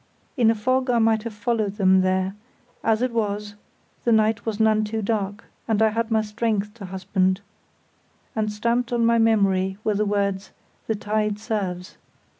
In a fog I might have followed them there; as it was, the night was none too dark, and I had my strength to husband; and stamped on my memory were the words "the tide serves".